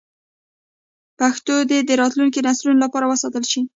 پښتو دې د راتلونکو نسلونو لپاره وساتل شي.